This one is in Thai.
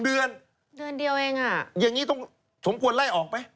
เดือนเดือนเดียวเองอ่ะอย่างนี้ต้องสมควรไล่ออกไหม